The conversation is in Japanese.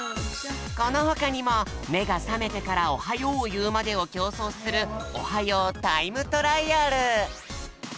このほかにもめがさめてからおはようをいうまでをきょうそうする「おはようタイムトライアル」。